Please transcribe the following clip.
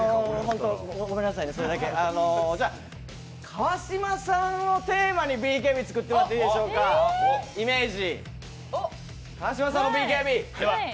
川島さんをテーマにＢＫＢ作ってもらっていいでしょうかイメージ。